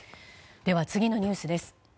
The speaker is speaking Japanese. では次のニュースです。